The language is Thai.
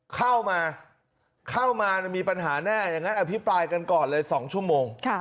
เข้ามาเข้ามามีปัญหาแน่อย่างนั้นอภิปรายกันก่อนเลย๒ชั่วโมง